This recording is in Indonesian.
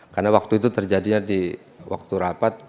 karena waktu itu terjadinya di waktu rapat